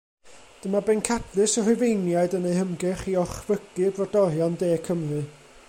Dyma bencadlys y Rhufeiniaid yn eu hymgyrch i orchfygu brodorion De Cymru.